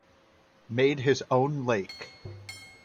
Made his own lake.